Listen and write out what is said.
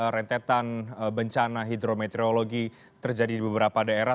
rentetan bencana hidrometeorologi terjadi di beberapa daerah